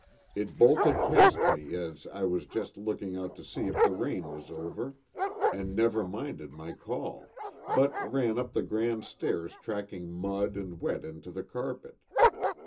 It bolted past me as I was just looking out to see if the rain was over, and never minded my call, but ran up the grand stairs tracking mud and wet into the carpet.